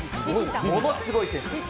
ものすごい選手です。